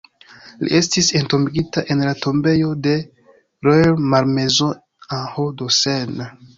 Li estis entombigita en la tombejo de Rueil-Malmaison en Hauts-de-Seine.